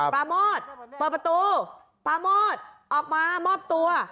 โมดเปิดประตูปลาโมดออกมามอบตัว